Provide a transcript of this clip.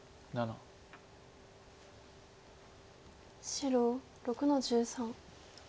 白６の十三。